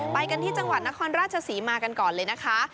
ไปกันที่จังหวัดนครราชศรีมากันก่อนเลยนะคะ